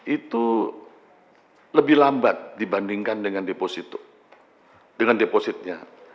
itu lebih lambat dibandingkan dengan depositnya